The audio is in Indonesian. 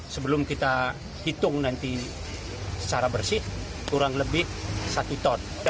sebelum kita hitung nanti secara bersih kurang lebih satu ton